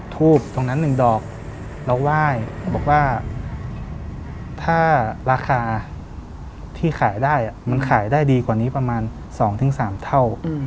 ตรงนั้นหนึ่งดอกเราไหว้บอกว่าถ้าราคาที่ขายได้มันขายได้ดีกว่านี้ประมาณสองถึงสามเท่า